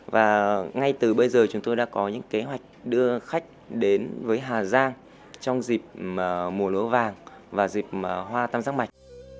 và ngay từ bây giờ chúng tôi đã có những kế hoạch đưa khách đến với hà giang trong dịp mùa lúa vàng và dịp hoa tam giác mạch